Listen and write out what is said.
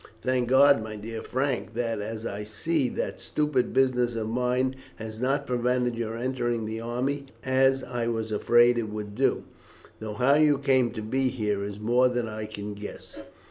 "Thank God, my dear Frank, that, as I see, that stupid business of mine has not prevented your entering the army, as I was afraid it would do; though how you come to be here is more than I can guess."